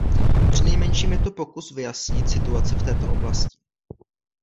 Přinejmenším je to pokus vyjasnit situaci v této oblasti.